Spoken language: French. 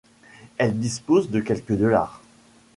Elle dispose de quelque de dollars.